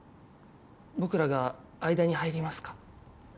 僕らが間に入りますか？